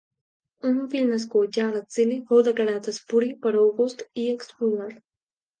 Un fill nascut ja a l'exili fou declarat espuri per August i exposat.